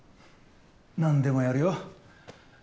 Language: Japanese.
何でもやるよ。